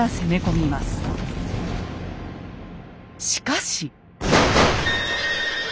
しかし。